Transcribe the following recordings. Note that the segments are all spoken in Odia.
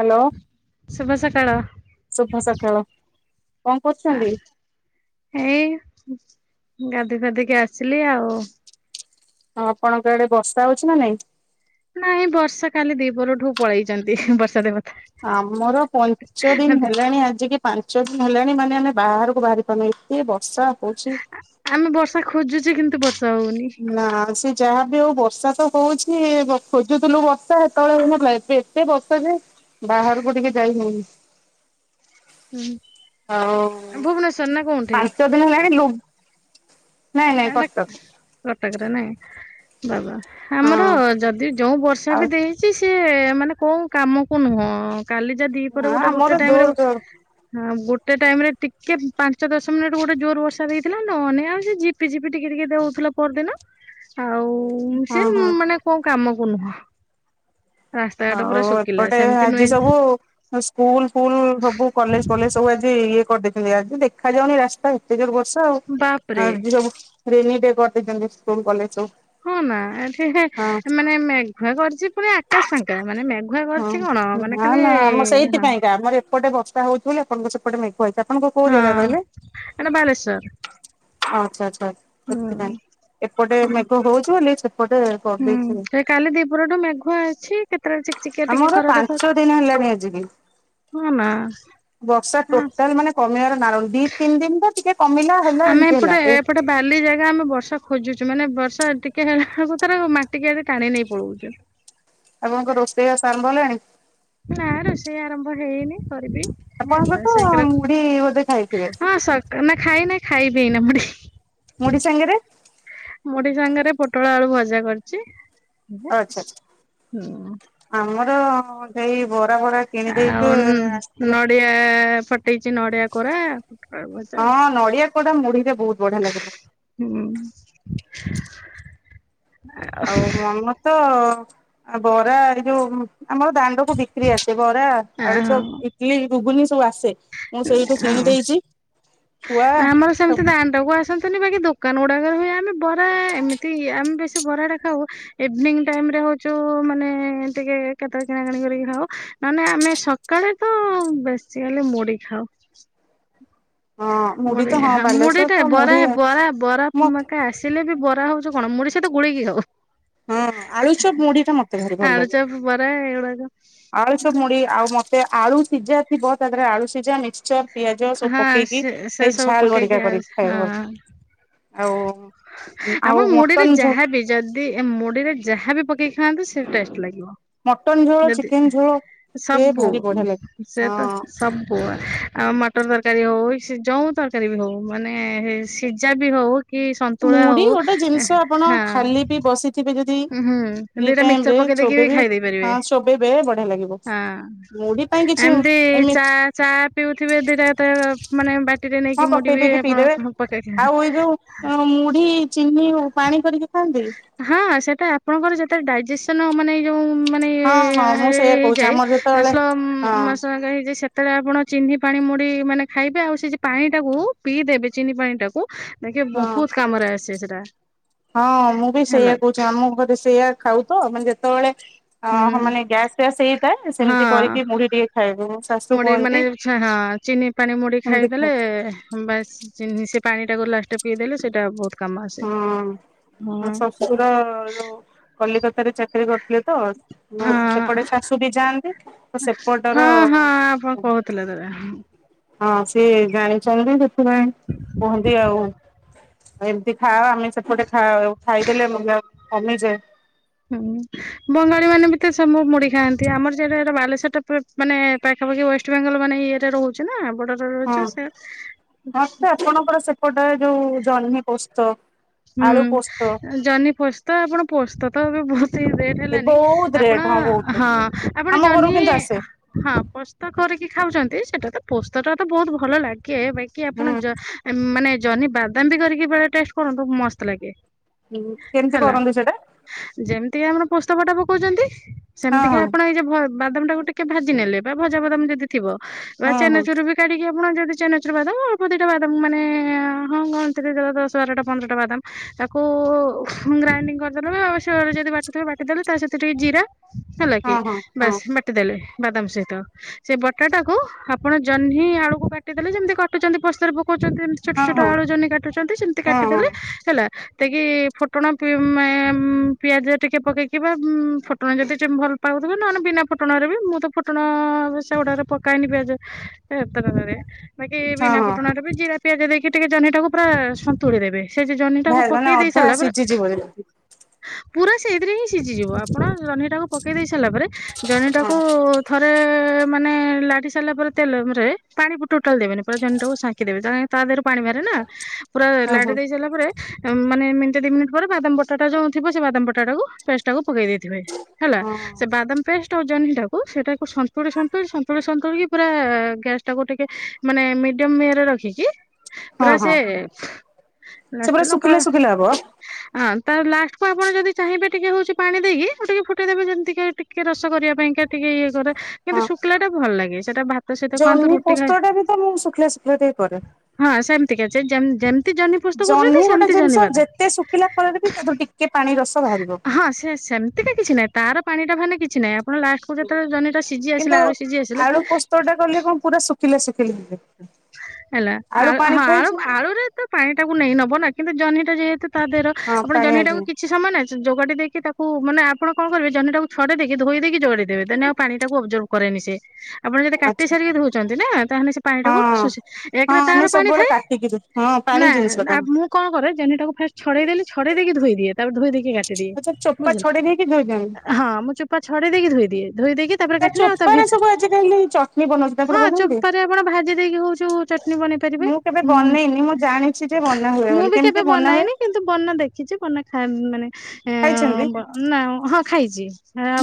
ହାଲୋ। ଶୁଭ ସକାଳ। ଶୁଭ ସକାଳ କଁ କରୁଛନ୍ତି? ଗାଧେଇ ପାଧେଇ କି ଆସିଲି ଆଉ। ଆଉ ଆପଣଙ୍କ ଆଡ଼େ ବର୍ଷା ହୋଉଚି ନାଁ ନାଇଁ? ନାଇଁ ବର୍ଷା କାଲି ଦିପରଠୁ ପଳେଇଚନ୍ତି ବର୍ଷା ଦେବ ଆମର ପଞ୍ଚ ଦିନ ହେଲାଣି ଆଜିକି ପାଁ ଚ ଦିନ ହେଲାଣି ମାନେ ଆମେ ବାହାରୁକୁ ବାହାରି ପାରୁନୁ ଏତେ ବର୍ଷା। ହଉଛି। ଆ ଆମେ ବର୍ଷା ଖୋଜୁଚୁ କିନ୍ତୁ ବର୍ ନାଁ ସେ ଯାହା ବି ହଉ ବର୍ଷା ତ ହଉଛି ବ ଖୋଜୁଥୁଲୁ ବର୍ଷା ହେତଳେ ହୋଉନଥୁଲା ଏବେ ଏତେ ବର୍ଷା ଯେ ବାହାରୁକୁ ଟିକେ ଯାଇ ହଉନି। ହ। ଉଁ ହୁଁ। ଆଉ କୋଉଠି ପାଞ୍ଚ ଦିନ ହେଲାଣି ଲୁ ନାଇଁ ନାଇଁ ହେଟା କଟକ ହେଟା ଗୋଟାକରେ ନାଇଁ ବାବା। ଆମର ହଁ ଯଦି ଯୋଉଁ ବର୍ଷା ବି ଆଉ ଦେଇଚି ସିଏ ମାନେ କୋଉ କାମକୁ ନୁହଁ। କାଲି ଯା ଦିପରେ ହଁ ଗୋଟେ ଗୋଟେ ଆମର ଟାଇମ୍ ରେ ଜୋର ହଁ ଜୋର ଗୋଟେ ଟାଇମ୍ ରେ ଟିକେ ପାଞ୍ଚ ଦଶ ମିନିଟ୍ ଗୋଟେ ଜୋର ବର୍ଷା ଦେଇଥିଲା ନନେ ଆଉ ଯେ ଝିପି ଝିପି ଟିକେ ଟିକେ ଦେଉଥିଲା ପଅରଦିନ ଆଉ ହଁ ସେ ହଁ ମାନେ କଁ କାମକୁ ନୁହଁ। ରାସ୍ତାଘାଟ ଆଉ ପୁରା ଶୁଖିଲା ଏପଟେ ସେମିତି ଆଜି ନୁହେଁ ସବୁ ସ୍କୁଲ୍ ଫୁଲ୍ ସବୁ କଲେଜ୍ ଫଲେଜ୍ ସବୁ ଆଜି ଇଏ କରିଦେଇଚନ୍ତି ଆଜି ଦେଖାଯାଉନି ରାସ୍ତା ଏତେ ଜୋର ବର୍ଷା ଆଉ ବାପରେ ଆଜି ସବୁ ରେନି ଡେ କ ଏଇଚନ୍ତି ସ୍କୁଲ୍ କଲେଜ୍ ସବୁ। ହଁ ନାଁ ଏଠି ହଁ ମାନେ ମେଘୁଆ କରିଚି ପୁଣି ଆକାଶ ଫାଙ୍କା। ମାନେ ମେଘୁଆ ହଁ କରିଛି କଣ ମାନେ ହଁ ଖାଲି ନାଁ ମୁଁ ହଁ ସେଇଥିପାଇଁକା ଆମର ଏପଟେ ବର୍ଷା ହୋଉଚି ବୋଲି ଆପଣଙ୍କ ସେପଟେ ମେ କଇ ଆପଣକ କୋଉ ଜାଗା ହଁ କହିଲେ ଏଟା ବାଲେଶ୍ଵର ଆଚ୍ଛା ଆଚ୍ଛା। ସେଥିପାଇଁ। ହୁଁ। ଏପଟେ ମେଘ ହୋଉଚି ବୋଲି ସେପଟେ ହୁଁ କରିଦେଇଚି ସେ କାଲି ଦିପହରଠୁ ମେଘୁଆ ଅଛି କେତେବେଳେ ଚିକ ଚିକିଆ ଟିକେ ଆମର ଖରା ଦେଖଉଛି ପାଞ୍ଚ ଦିନ୍ ହେଲାଣି ଆଜିକି। ହଁ ନା। ବର୍ଷା ହଁ ଟୋଟାଲ୍ ମାନେ କମିବାର ନାଁ ନଉନି ଦି ତିନ୍ ଦିନଟା ଟିକେ କମିଲା ହେଲା ଏମ୍ ପଟେ ଏପଟେ ବାଲି ଜାଗା ଆମେ ବର୍ଷା ଖୋ ଜୁଚୁ ମାନେ ବର୍ଷା ଟିକେ ହେଲା କତୁର ମାଟିକି ଆଗେ ଟାଣି ନେଇ ପଳଉଚୁ। ଆପଣଙ୍କ ରୋଷେଇ ବାସ ଆରମ୍ଭ ହେଲାଣି? ନାଁ ରୋଷେଇ ଆରମ୍ଭ ହେଇନି। କରିବି ହେଁ ଆପଣଙ୍କର ତ ସେ କଲେ ମୁଢି ବୋଧେ ଖାଇଥିବେ ହଁ ସର ନାଁ ଖାଇନେଇ ଖାଇବି ଏଇନା ମୁଡ଼ି। ମୁଢ଼ି ସାଙ୍ଗେରେ? ସାଙ୍ଗେରେ ପୋଟଳ ଆଳୁ ଭଜା କରିଚି। ତ ସେଇ ବ ଆଉ ଉଁ ନଡ଼ିଆ ଫଟେଇଚି ନଡ଼ିଆ କୋରା ପୋଟଳ ଭଜା ହଁ ନଡ଼ିଆ କୋଡ଼ା ମୁଢ଼ିରେ ବୋହୁତ ବଢ଼ିଆ ଲାଗିବ। ହୁଁ। ଆଉ ମମ ତ ବରା ଏଇ ଯୋଉ ଆମର ଦାଣ୍ଡ କୁ ବିକ୍ରି ଆସେ ବରା ଆଳୁ ଆଉ ଚପ୍ ଇଟିଲି ଘୁଗୁନି ସବୁ ଆସେ। ମୁଁ ସେଇଠୁ କିଣିଦେଇଛି। ନା ଆମର ସେମିତି ଦାଣ୍ଡ କୁ ଆସନ୍ତିନି ବାକି ଦୋକାନ ଗୁାକରେ ବି ଆମେ ବରା ଏମିତି ଆମେ ବେଶି ବରାଟା ଖାଉ ଇଭ୍ନିଗ୍ ଟାଇମ୍ ମରେ ହଉଛୁ ମାନେ ଟିକେ କେତେବେଳେ କିଣା କିଣି କରିକି ଖାଉ ନହେନେ ଆମେ ସକାଳେ ତ ବେଶୀ ହେଲେ ମୁଡି ଖାଉ। ହଁ ମୁଢି ତ ହଁ ବାଲେଶ୍ଵର ମୁଢିଟା ତ ବରା ମୁଢି ବରା ମ ବରାମା କା ଆସିଲେ ବି ବ ହଉଛି କଣ ମୁଢି ସହିତ ଗୋଳେଇକି ଖାଉ। ହଁ ଆଳୁଚପ ମୁଢି ଟା ମତେ ଭାରି ଭଲ ଲାଗେ। ଆଳୁଚପ୍ ବରା ଏଗୁଡାକ ଆଳୁ ସବୁ ମୁଢି ଆଉ ମତେ ଆଳୁ ସିଝା ଥିବ ତାଦେହରେ ଆଳୁ ସିଝା ମିକ୍ସଚର। ପିଆଜ ସବୁ ହଁ ପକେଇକି ସେ ସେ ସେଇ ସବୁ ଝାଲ୍ ପକେଇକି ଭରିକା ହଁ କରି ଖାଇବା ଆପଣ ମୁଢିରେ ଝୋ ଯାହାବି ଯଦି ମୁଢିରେ ଯାହାବି ପକେଇ ଖାଆନ୍ତୁ ସେ ଟଷ୍ଟ ଲାଗିବ। ମଟନ ଝୋଳ ଯଦି ଚିକେନ ଝୋଳ। ସେ ସବୁ ଭାରି ବଢିଆ ଲାଗେ। ସେ ତ ହଁ ସବୁ ଆଉ ମଟ ମଟର ତରକାରୀ ହଉ ଯଉଁ ତରକାରୀ ବି ହଉ ମାନେ ସିଝା ବି ହଉ କି ମୁଢି ତୋଳାଉ ଗୋଟେ ଜିନିଷ ଆପଣ ହଁ। ଖାଲି ବି ବସିଥିବେ ଯଦି ହୁଁ ଫ୍ରି ଦିଟା ଟାଇମ ମିକ୍ସଚର ରେ ପକେଇ ଦେଇକି ବି ଚୋବେଇବେ ଖାଇ ଦେଇେ ପାରିବେ ହଁ ଚୋବେଇବେ ବଢିଆ ଲାଗିବ ମୁଢି ପାଇଁ ହଁ। କିଛି ଏମିତି ଚା ଏମିତି ଚା ପିଉଥିବେ ଦିଟା ତ ମାନେ ବା ହଁ ପକେଇ ଦେଇେକି ପିଇଦେବେ ଆଉ ଏଇ ଯୋଉ ମୁଢି ଚିନି ପାଣି କରିକି ଖାଆନ୍ତି ହଁ ସେଟା ଆପଣଙ୍କର ଯେତେ ଡାଇଜେସନ ମାନେ ଯୋଉ ମାନେ ଏ ହଁ ଏ ହଁ ଏ ମୁଁ ସେଇଆ କହୁଛି ଆମର ହେଇଯାଏ ଯେତେବେଳେ ସ୍ଲୋ ହଁ ମାସ ହେଇଯା ଯେତେବେଳେ ଆପଣ ଚିନି ପାଣି ମୁଢି ମାନେ ଖାଇବେ ଆଉ ସେ ପାଣି ଟାକୁ ପିଇଦେବେ ଚିନିପାଣି ଟାକୁ। ଦେଖିବେ ହଁ ବହୁତ କାମରେ ଆସେ ସେଟା। ହଁ ମୁଁ ବି ସେଇଆ ହେଲା କହୁଛି ଆମ ଘରେ ସେଇଆ ଖାଉ ତ ମାନେ ଯେତେବେଳେ ଓହୋ ହୁଁ ମାନେ ଗ୍ୟାସ ଫ୍ୟାସ୍ ହେଇଥାଏ ସେମିତି ହଁ କରିକି ମୁଢି ଟିକେ ଖାଇବୁ ଶାଶୁ ମୁଢି ମାନେ କୁହନ୍ତି। ହଁ ଚିନି ପାଣି ମୁଢି ସେମିତି ଖାଏ ଖାଇଦେଲେ ବାସ ସେ ପାଣିଟାକୁ ଲାଷ୍ଟରେ ପିଇଦେଲେ ସେଇଟା ବହୁତ କାମ ଆସେ ହୁଁ ଶଶୁର ଯୋଉ କଲିକତା ରେ ଚାକିରୀ କରି ଥିଲେ ତ ହଁ ସେପଟେ ଶାଶୁ ବି ଯାଆନ୍ତି ତ ସେପଟର କଣ କହୁଥିଲେ ତେବେ? ହଁ ସିଏ ଜାଣି ଚନ୍ତି ସେଥିପାଇଁ କୁହନ୍ତି ଆଉ ଏମିତି ଖାଅ ଆମେ ସେପଟେ ଖାଇଦେଲେ କମି ଯାଏ। ହୁଁ ବଙ୍ଗାଳୀ ମାନେ ବି ମୁଁ ମୁଢ଼ି ଖାଆନ୍ତି ଆମର ସେଇଟା ବାଲେଶ୍ୱରଟା ମାନେ ପାଖପାଖି ୱେଷ୍ଟବେଙ୍ଗଲ ମାନେ ଇଏରେ ରହୁଛି ନା। ବର୍ଡରରେ ହଁ ରହୁଛି ସେ ମତେ ଆପଣଙ୍କର ସେପଟେ ଯୋଉ ଜହ୍ନି ପୋସ୍ତ ଆଳୁ ପୋସ୍ତ ହୁଁ ଜହ୍ନି ପୋସ୍ତ ତ ଆପଣ ପୋସ୍ତ ତ ତ ଏବେ ବହୁତ ଏଟ ଏ ହେଲାନି ବହୁତ ଆପଣ ରେଟ ବହୁତ ହଁ ଆପଣ ଆମ ଘରକୁ ଜହ୍ନି କିନ୍ତୁ ଆସେ ହଁ ପୋସ୍ତ କି ଖାଉଛନ୍ତି ସେଟା ତ ପୋସ୍ତ ଟା ତ ବହୁତ ଭଲ ଲାଗେ ବାକି ହୁଁ। ଆପଣ ମାନେ ଜହ୍ନି ବାଦାମ ବି କରିକି ବେଲେ ଟେଷ୍ଟ କରନ୍ତୁ ମସ୍ତ ଲାଗେ। କେମିତି ହେଲା କରନ୍ତି ସେଇଟା ଯେମିତିକି ଆମର ପୋସ୍ତ ପଟା ପକଉଛନ୍ତି ସେମିତି କି ହଁ ଆପଣ ଏଇ ବାଦାମ ଟାକୁ ଟିକେ ଭାଜି ନେଲେ ବା ଭଜା ବାଦାମ ଯଦି ଥିବ ବା ହଁ ହଁ ଚେନାଚୁରୁ ବି କାଢିକି ଆପଣ ଯଦି ଚେନାଚୁରୁ ବାଦମ ଅଳ୍ପ ଦିଟା ବାଦମ ମାନେ ଏ ହଁ ହଁ କଣଥିରେ ଦଶ ବାରଟା ପନ୍ଦରଟା ବାଦାମ ତାକୁ ଗ୍ରାଇଣ୍ଡିଙ୍ଗ୍ କରିଦେଲେ ସିଳ ରେ ଯଦି ବାଟିଥିବେ ବାଟିଦେଲେ ତା ସହିତ ଟିକେ ଜିରା, ହେଲା କିି ହଁ ହଁ ହଁ ହଁ। ବାସ୍ ବାଟି ଦେଲେ। ବାଦାମ୍ ସହିତ ସେ ବଟାଟାକୁ ଆପଣ ଜହ୍ନି, ଆଳୁକୁ କାଟିଦେଲେ ଯେମିତି କାଟୁଛନ୍ତି ପୋସ୍ତରେ ପକ କହୁଛନ୍ତି ଏମିତି ଛୋଟ ହଁ ଛୋଟ ହଁ ଆଳୁ, ଜହ୍ନି କାଟୁଛନ୍ତି ସେମିତି ହଁ ହଁ କାଟିଦେଲେ ହେଲା। କି ଫୁଟଣ, ପିଆଜ ଟିକେ ପକେଇକି ବା ଫୁଟଣ ଯଦି ଚା ଭଲ ପାଉଥିବେ ନହେଲେ ବିନା ଫୁଟଣରେ ବି ମୁଁ ତ ଫୁଟଣ ସେଗୁଡାକରେ ପକେଇନି ପିଆଜ ଏତେ ବାକି ହଁ ବିନା ହଁ ଫୁଟଣରେ ବି ଜିରା ପିଆଜ ଦେଇକି ଟିକେ ଜ୍ହନି ଟାକୁ ପୁରା ସନ୍ତୁଳି ଦେବେ। ସେ ଯେ ଜହ୍ନି ଭା ଟାକୁ ମାନେ ପକେଇ ଦେଇ ଅଧା ସାରିଲା ପରେ ସିଝିଯିବ ଯେମିତି ପୁରା ସେଇଥିରେ ହିଁ ସିଝିଯିବ ଆପଣ ଜହ୍ନି ଟାକୁ ପକେଇ ଦେଇ ସାରିଲା ପରେ ହଁ ଜହ୍ନିଟାକୁ ଥରେ ମାନେ ଲାଗି ସାରିଲା ପରେ ତେଲରେ ପାଣିକୁ ଟୋଟାଲ ଦେବେନି ପୁରା ଜହ୍ନି ସାଙ୍କିଦେବେ ତା ଦେହରୁ ପାଣି ବାହାରେ ନା ନା ପୁରା [unintelligible] ହଁ ଲଡେ ହଁ। ଦେଇ ସାରିଲା ପରେ ମାନେ ମିନିଟ ଦି ମିନିଟ ପରେ ବାଦାମ ପଟା ଯୋଉ ଥିବ ସେ ବାଦ ପଟାକୁ ପେଷ୍ଟ୍ ତାକୁ ପକେଇ ଦେଇଥିବେ ହେଲା ହଁ ସେ ବାଦାମ ପେଷ୍ଟ୍ ଟାକୁ ସେଟା ସନ୍ତୁଳି ସନ୍ତୁଳି ସନ୍ତୁଳି ସନ୍ତୁଳି ପୁରା ଗ୍ୟାସ୍ ଟାକୁ ଟିକେ ମାନେ ମିଡିୟମ୍ ଇଏ ରେ ରଖିକି ହଁ ପୁରା ସେ ହଁ ସେ ପୁରା ନଷ୍ଟ ଲଙ୍କା ଶୁଖିଲା ଶୁଖିଲା ହବ ହଁ ତ ଲାଷ୍ଟକୁ ଆପଣ ଯଦି ଚାହିଁବେ ଟିକେ ହଉଛି ପାଣି ଦେଇକି ଉ ଟିକେ ଫୁଟେଇଦେବେ ଯେମିତିକ ଟିକେ ରସ କରିବା ପାଇଁ କି ଟିକେ ଇଏ କରେ। କିନ୍ତୁ ହଁ। ଶୁଖିଲା ଟା ଭଲ ଲାଗେ ସେଟା ଭାତ ସହିତ ଖାଆନ୍ତୁ ଜହ୍ନି ରୁଟି ପୋସ୍ତ ଖାଏ ଟା ବି ତ ମୁଁ ଶୁଖିଲା ଶୁଖିଲା ଟିକେ କରେ। ହଁ ସେମିତି କା ଯେମିତି ତି ଜହ୍ନି ପୋସ୍ତ କରୁଛନ୍ତି ଜହ୍ନି ଗୋଟେ ସେମିତି ଜିନିଷ ଜହ୍ନି ବାଦା ଯେତେ ଶୁଖିଲା କରରେ ବି ତା ଦେହରୁ ଟିକେ ପାଣି ରସ ବାହାରିବ। ହଁ ସେ ସେମିତିକା କିଛି ନାହିଁ ତାର ପାଣି ଟା ଭାରିଲେ କିଛି ନାହିଁ। ଆପଣ ଲାଷ୍ଟକୁ ଯେତେବେଳେ ଜହ୍ନିଟା ସିଝି ଆସିଲା କିନ୍ତୁ ଆଳୁ ସିଝି ଆସିଲା ଆଳୁ ପୋସ୍ତ ଟା କଲେ କଣ ପୁରା ଶୁଖିଲା ଶୁଖିଲା ହେଲା ଆଳୁ ପାଣି ହଁ ଆଳୁ ଖାଇଛୁ ଆଳୁରେ ତ ପାଣି ଟାକୁ ନେଇ ନବ ନା କିନ୍ତୁ ଜହ୍ନିଟା ଯେହେତୁ ତା ଦେହ ର ହଁ ଆପଣ ପାଣିଆ ଜହ୍ନିଟାକୁ ଜିନି କିଛି ସମୟ ନା ଯୋଗାଡି ଦେଇକି ତାକୁ ମାନେ ଆପଣ କଣ କରିବେ ଜହ୍ନିଟାକୁ ଛଡେଇ ଦେଇିକି ଧୋଇ ଦେଇକି ଯୋଗାଡି ଦେବେ ଦେନେ ଆଉ ପାଣି ଟାକୁ [unintelligible] ଅବଜ କରେନି ସେ ଆପଣ ଯଦି କାଟି ଆଚ୍ଛା ହଁ। ସାରିକି ଧୋଉଛନ୍ତି ନା ତାହେଲେ ସେ ପାଣି ଟାକୁ ହଁ ଶ ଏକରେ ଆମେ ତାର ପାଣି ସବୁବେଳେ ଥାଏ। କାଟିକି ଦଉ ହଁ ନା ପାଣି ନା ଜିନିଷଟା ମୁଁ କଣ କରେ ଜହ୍ନିଟାକୁ ଫାଷ୍ଟ ଛଡେଇଦେଲି ଛଡେଇ ଦେଇକି ଧୋଇ ଦିଏ। ତାପରେ ଧୋଇ ଦେଇକି କାଟିଦିଏ ଆଚ୍ଛା ଚୋପା ବୁଝିଲ ଛଡେଇ ଦେଇକି ଧୋଇ ଦିଅନ୍ତି। ହଁ ମୁଁ ଚୋପା ଛଡେଇ ଦେଇକି ଧୋଇଦିଏ ଧୋଇ ଦେଇକି ତାପରେ କାଟିଲେ ଆଉ ତା ଚୋପାରେ ଭିତ ସବୁ ଆଜିକାଲି ଚଟଣି ବନଉଛି ତାପରେ ହଁ ବନାନ୍ତି? ଚୋପା ରେ ଆପଣ ଭାଜି ଦେଇକି ହଉଚୁ ଚଟନୀ ବନେଇ ପାରିବେ। ମୁଁ କେବେ ବନେଇନି ମୁଁ ଜାଣିଛି ଯେ ବନା ହୁଏ ମୁଁ ବୋଲି ବି କେବେ କେମିତି ବନା ହୁଏ? ବନାଇନି କିନ୍ତୁ ବନା ଦେଖିଛି ବନା ଖାଏ ମାନେ ଖାଇଛନ୍ତି ନା ହଁ ଖାଇଛି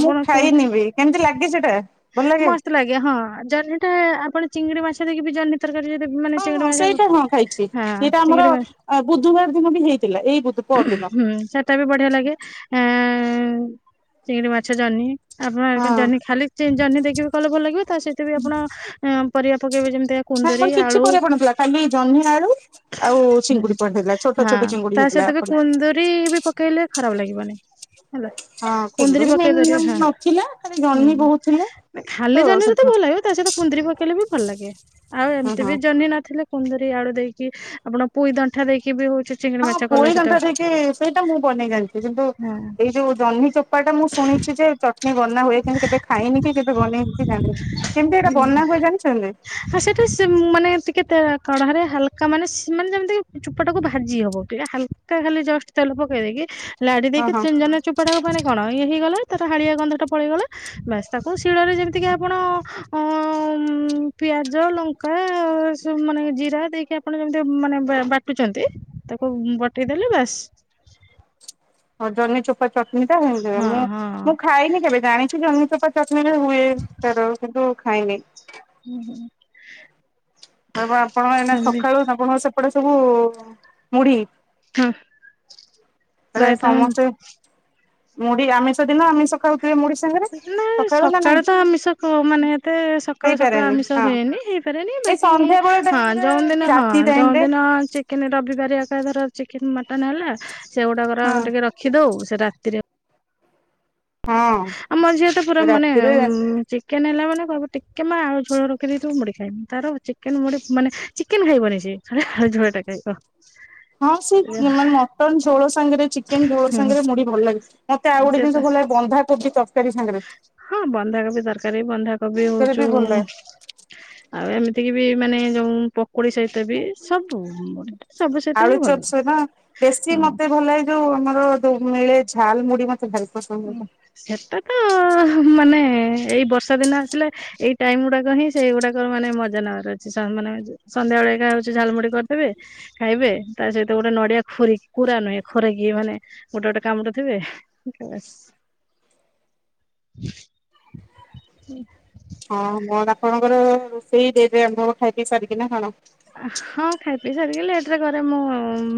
ମୁଁ କୁ ଖାଇନି ବି କେମିତି ଲାଗେ ସେଟା ଭଲ ମସ୍ତ୍ ଲାଗେ ହଁ ଜହ୍ନିଟା ଆପଣ ଚିଙ୍ଗୁଡି ମାଛ ଦେଇକି ବି ଜହ୍ନି ରକାର ଯଦି ମାନେ [unintelligible] ହଁ ଚିଙ୍ଗଡି ହଁ ଭାଜି ସେଇଟା ହଁ ଖାଇଛି ହଁ ସେଇଟା ଆମର ଚିଙ୍ଗଡି ଭ- ବୁଧବାର ଦିନ ବି ହେଇଥିଲା ଏଇ ବୁଧ ପରଦିନ। [unintelligible] ହୁଁ ସେଟା ବି ବଢିଆ ଲାଗେ ଆ ଚିଙ୍ଗିଡି ମାଛ ଜହ୍ନି ଆପଣ କଣ ହଁ ଜହ୍ନି ଖାଲି ଜହିଁ ଦେଇକି କଲେ ଭଲ ଲାଗିବ ତା ସହିତ ବି ଆପଣ ପରିବା ପକେଇବେ ଯେମିତି ନା କୁନ୍ଦୁରି ଆମର କିଛି ଆଳୁ ପରିବା ପଡି ନଥିଲା ଖାଲି ଜହ୍ନି ଆଳୁ ଆଉ ଚିଙ୍ଗୁଡି ପଡିଥିଲା ଛୋଟ ଛୋଟ ଚିଙ୍ଗୁଡି ହେଇ ସେତବେ କୁନ୍ଦୁୁରି ବି ପକେଇଲେ ଖରାପ ଲାଗିବନି ହେଲା ହଁ କୁନ୍ଦୁରି ପକାଇ ମେନ୍ ପାରିବେ। ନଥିଲା ଖାଲି ଜହ୍ନି ବହୁତ ଥିଲା। ଖାଲି ଜହିଁ ରେ ତ ଭଲ ଲାଗିବ ତା ସହିତ କୁନ୍ଦୁରି ପକେଇଲେ ବି ଭଲ ଲାଗେ। ଆଉ ହଁ ଏମିତି ହଁ ବି ଜହ୍ନି ନଥିଲେ କୁନ୍ଦୁରି ଆଳୁ ଦେଇକି ଆପଣ ପୁଇ ଦଣ୍ଟା ଦେଇକି ବି ହଉଛି ଚିଙ୍ଗଡି ମାଛ କଲେ ପୁଇ ସେଟା ଦଣ୍ଟା ଦେଇକି ସେଇଟା ମୁଁ ବନେଇ ଜାଣିଛି କିନ୍ତୁ ହଁ। ଏଇ ଯୋଉ ଜହ୍ନି ଚୋପାଟା ମୁଁ ଶୁଣିଛି ଯେ ଚଟନି ବନା ହୁଏ କିନ୍ତୁ କେବେ ଖାଇନି କି କେବେ ବନେଇନି ଜାନି କେମିତି ଏଇଟା ବନା ହୁଏ ଜାଣିଛନ୍ତି? ହଁ ସେଠି ସେ ମାନେ ଟିକେ କଢ଼ାରେ ହାଲକା ମାନେ ସେ ମାନେ ଯେମିତିକି ଚୋପାଟାକୁ ଭାଜି ହେବ ଟିକେ ହାଲକା ହେଲେ ଜଷ୍ଟ୍ ତେଲ ପକଇେ ଦେଇ କି। ଲାଡି ହଁ ଦେଇକି [unintelligible] ହଁ ଚଞ ଜହ୍ନି ଚୋପାଟାକୁ ମାନେ କଣ ଇଏ ହେଇଗଲା ତାର ହାଳିଆ ଗନ୍ଧ ଟା ପଳେଇଗଲା ବାସ। ତାକୁ ଶିଳରେ ଯେମିତିକି ଆପଣ ହଁ ପିଆଜ ଲଙ୍କା ସେମିତି ମାନେ ଜିରା ଦେଇକି ଆପଣ ଯେମିତି ମାନେ ବାଟୁଛନ୍ତି ତାକୁ ବଟେଇ ଦେଲେ ବାସ୍ [inaudible] ହଉ ଜହ୍ନି ଚୋପା ଚଟଣୀ ଟା ସେମିତି ହୁଏ ହଁ ମୁଁ ହଁ ମୁଁ ଖାଇନି କେବେ ଜାଣିଛି ଜହ୍ଚି ଚୋପା ଚଟଣି ରେ ହୁଏ ତାର କିନ୍ତୁ ଖାଇନି ହୁଁ ହୁ ଆ ଆପଣଙ୍କ ଏଇନା ସକାଳୁ ଆପଣଙ୍କ ସେପଟେ ସବୁ ମୁଢି? ହଁ ର ହେଲେ ରାୟତା ମ୍ୟାମ୍ ସମସ୍ତେ ମୁଢି ଆମିଷ ଦିନ ଆମିଷ ଖାଉ ନା ସକାଳୁ ତ ଆମିଷ ମାନେ ଏତେ ସକାଳୁ ସକାଳୁ ହେଇପାରେନି ଆମିଷ ହଁ ହୁଏନି। ହେ ଫେରେନି ଏଇ ଵାକି ସନ୍ଧ୍ୟା ବେଳ ହଁ ଟାଇମ ରେ ଯୋଉ କି ଦିନ ହଁ ରାତି ଟାଇମ ଯୋଉ ରେ ଦିନ ଚିକେନ୍ ରବିବାରିଆ ସେ ଧର ଚିକେନ୍ ମଟନ୍ ହେଲା ସେଗୁଡାକର ହଁ ଆମେ ଟିକେ ରଖିଦଉ ସେ ରାତିରେ ହଁ ଆମ ଝିଅ ତ ପୁରା ମାନେ ରାତିରେ ଉ ଚିକେନ୍ ହେଲା ମାନେ କଇବ ଟିକେ ମା ଆଉ ଝୋଳ ରଖିଦେଇଥିବ ମୁଡି ସେମ ତାର ଚିକେନ୍ ମୋଡେ ମାନେ ଚିକେନ୍ ଖାଇବନି ସେ ହଳଦୀଆ ଟା ଖାଇବ। ହଁ ସେ ମାନେ ମଟନ୍ ଝୋଳ ସାଙ୍ଗରେ ଚିକେନ୍ ଝୋଳ ସାଙ୍ଗରେ ମୁଢି ଭଲ୍ ଲାଗେ। ମତେ ଆଉ ଗୋଟେ ସେ ଜିନିଷ ଭଲା ବନ୍ଧାକୋବି ତରକାରୀ ସାଙ୍ଗରେ ହଁ ବନ୍ଧାକୋବି ତରକାରୀ ବନ୍ଧାକୋବି ସେଟା ହଉଚୁ ବି ଭଲ ଲାଗେ ଆଉ ଏ ଏମିତିକ ବି ମାନେ ଯୋଉଁ ଓଡ଼ି ସହିତ ବି ସବୁ ସବୁ ସହିତ ଆଳୁ ହିଁ ଭଲ ଚପ ଲେ ସହିତ ବେଶୀ ହଁ ମତେ ଭଲ ଲାଗେ ଯୋଉ ଆମର ଯୋଉ ମିଳେ ଝାଲ୍ ମୁଡି ମତେ ଭଲ୍ ହଁ ସେଟା ତ ମାନେ ଏଇ ବର୍ଷା ଦିନ ଆସିଲେ ଏଇ ଟାଇମ୍ ଗୁଡାକ ହିଁ ସେଇଗୁଡାକ ମାନେ ମଜା ନେବାର ଅଛି ସମାନେ ଯଉ ସନ୍ଧ୍ୟା ବେଳେ ଏକା ହଉଛି ଝାଲମୁଡି କରିଦେବେ ଖାଇବେ ତା ସହିତ ଗୋଟେ ନଡିଆ ଖୁରି କୁରା ନୁହେଁ ଖୋରି କି ମାନେ ଗୋଟେ ଗୋଟେ କାମୁଡୁ ଥିବେ ବସ୍ ହଁ ମୋର ଆପଣଙ୍କର ରୋଷେଇ ଡେରି ଆମର ଖାଇ ପିଇ ସାରିକି ନା କଣ? ହଁ ଖାଇ ପିଇ ସାରିକି ଲେଟ୍ ରେ କରେ ମୁଁ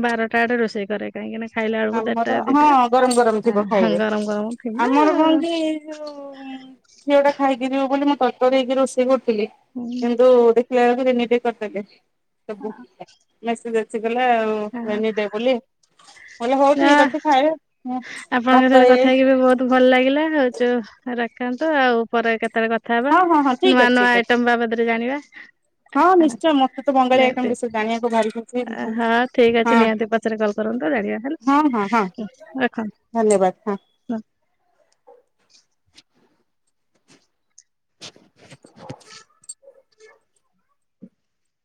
ବାରଟା ଆଡେ ରୋଷେଇ କରେ କାହିଁକି ନା ଖାଇଲା ବେଳକୁ ଦେଢଟା ଆମର ହଁ ଦିଟା ଗରମ୍ ଗରମ୍ ଥିବ ହଁ ଖାଇବେ ଗରମ ଗରମ ଆମର କଣ କି ଯୋଉ ଇଏଟା ଖାଇକି ଯିବେ ବୋଲି ମୁଁ ତର୍ତର ହେଇକି ରୋଷେଇ କରୁଥିଲି ଥିଲେ କିନ୍ତୁ ଦେଖିଲା ବେଳକୁ ଏମିତି କରିଦେଲେ। ସବୁ ମେସେଜ୍ ଆସିଗଲା ଆଉ ରେନି ଡେ ବୋଲି କହିଲି ହଉ ନା ଠିକ ଅଛି ଖାଇବେ ହୁଁ ଆପଣଙ୍କ ଭାତ ସହିତ କଥା ହେଇ ହେଇକି ବି ବହୁତ ଭଲ ଲାଗିଲା ହଉଚୁ ରଖନ୍ତୁ ଆଉ ପରେ କେତେବେଳେ କଥା ହବା ହଁ ହଁ ହଁ ଠିକ ନୂଆ ଅଛି ନୂଆ ଠିକ ଅଛି। ଆଇଟମ୍ ବାବଦରେ ଜାଣିବା। ହଁ ନିଶ୍ଚୟ ମତେ ତ ବଙ୍ଗାଳୀ ଆଇଟମ ନିହାତି ବିଷୟରେ ଜାଣିବାକୁ ଭାରି ଖୁସି ହଁ ଠିକ୍ ନିହାତି ପଛରେ କଲ୍ କରନ୍ତୁ [inaudible] ହଁ ହଁ ହଁ ଧନ୍ୟବାଦ ହଁ। ରଖନ୍ତୁ ନା [inaudible] [inaudible]